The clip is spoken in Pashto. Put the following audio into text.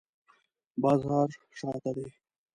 بازار شاته دی